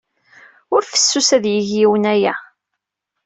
Ur fessus ad yeg yiwen aya.